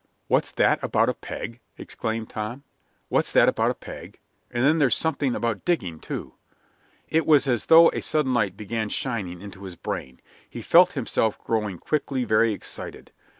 '" "What's that about a peg?" exclaimed Tom. "What's that about a peg? And then there's something about digging, too!" It was as though a sudden light began shining into his brain. He felt himself growing quickly very excited.